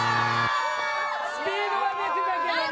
スピードは出てたけどね。